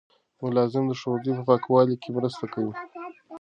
ملازم د ښوونځي په پاکوالي کې مرسته کوي.